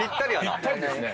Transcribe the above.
ぴったりですね。